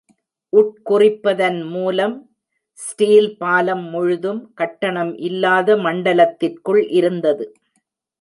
உட்குறிப்பதன் மூலம் ஸ்டீல் பாலம் முழுதும் கட்டணம் இல்லாத மண்டலத்திற்குள் இருந்தது.